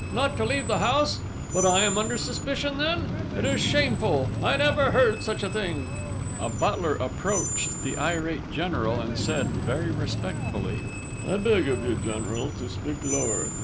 Not to leave the house!... But, am I under suspicion then?... It is shameful!... I never heard of such a thing!" A butler approached the irate General and said, very respectfully: "I beg of you, General, to speak lower!